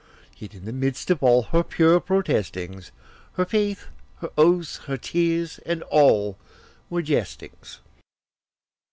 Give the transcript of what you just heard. Yet in the midst of all her pure protestings, Her faith, her oaths, her tears, and all were jestings.